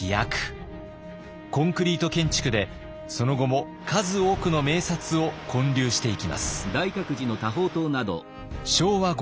コンクリート建築でその後も数多くの名刹を建立していきます。